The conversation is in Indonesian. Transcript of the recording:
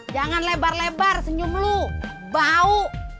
jangan lebar lebar senyum lu bau